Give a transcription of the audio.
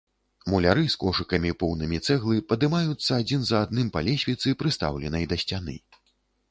Муляры з кошыкамі, поўнымі цэглы падымаюцца адзін за адным па лесвіцы, прыстаўленай да сцяны.